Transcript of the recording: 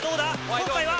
今回は？